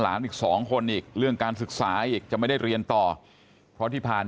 อีกสองคนอีกเรื่องการศึกษาอีกจะไม่ได้เรียนต่อเพราะที่ผ่าน